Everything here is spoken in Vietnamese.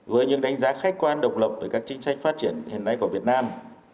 với những đánh giá khách quan độc lập về các chính sách phát triển hiện nay của việt nam